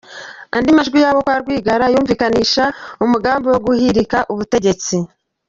Andi majwi y’abo kwa Rwigara yumvikanisha umugambi wo guhirika ubutegetsi.